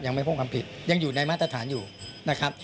ยังอยู่ในมาตรฐานอยู่นะครับ